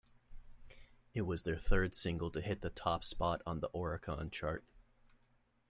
It was their third single to hit the top spot on the Oricon chart.